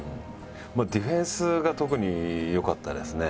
ディフェンスが特に良かったですね。